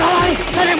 ya ya berhenti kamu